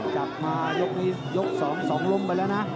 จับมายกที่นี่ยก๒ลมไปเลยนะ